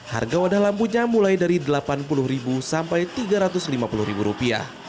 harga wadah lampunya mulai dari rp delapan puluh sampai rp tiga ratus lima puluh